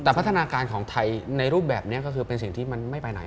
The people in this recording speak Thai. แต่พัฒนาการของไทยในรูปแบบนี้ก็คือเป็นสิ่งที่มันไม่ไปไหน